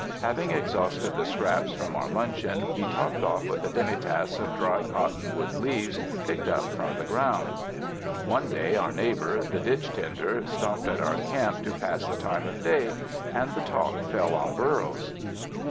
Having exhausted the scraps from our luncheon, he topped off with a demi tasse of dry cottonwood leaves, picked up from the ground. One day our neighbor, the ditch tender, stopped at our camp to pass the time of day, and the talk fell on burros.